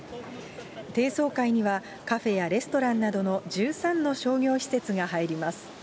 低層階には、カフェやレストランなどの１３の商業施設が入ります。